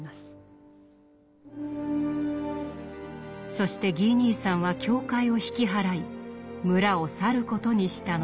そしてギー兄さんは教会を引き払い村を去ることにしたのです。